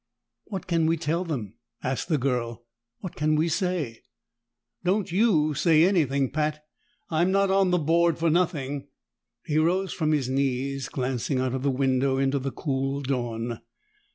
"What can we tell them?" asked the girl. "What can we say?" "Don't you say anything, Pat. I'm not on the board for nothing." He rose from his knees, glancing out of the window into the cool dawn.